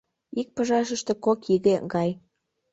Ик пыжашыште кок иге гай...